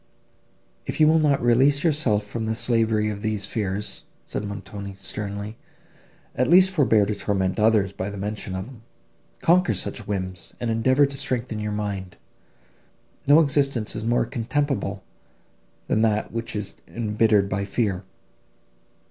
"If you will not release yourself from the slavery of these fears," said Montoni, sternly, "at least forbear to torment others by the mention of them. Conquer such whims, and endeavour to strengthen your mind. No existence is more contemptible than that, which is embittered by fear."